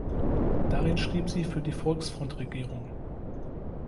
Darin schrieb sie für die Volksfront-Regierung.